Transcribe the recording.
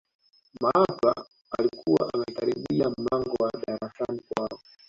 malatwa alikuwa amekaribia mlango wa darasani kwao